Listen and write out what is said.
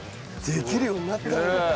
できるようになったの。